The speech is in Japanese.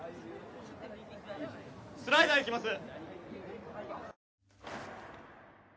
スライダーいきます